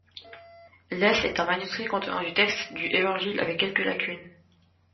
Les est un manuscrit contenant du texte du Évangiles avec quelques lacunes.